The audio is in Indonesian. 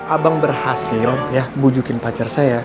abang berhasil ya bujukin pacar saya